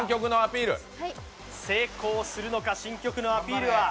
成功するのか、新曲のアピールは。